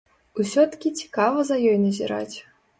Усё-ткі цікава за ёй назіраць.